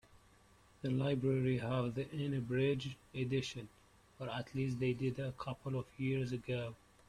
The library have the unabridged edition, or at least they did a couple of years ago.